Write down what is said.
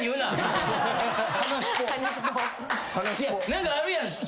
何かあるやん。